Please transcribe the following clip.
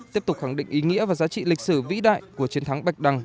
tiếp tục khẳng định ý nghĩa và giá trị lịch sử vĩ đại của chiến thắng bạch đăng